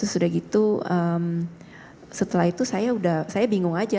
terus sudah gitu setelah itu saya udah saya bingung aja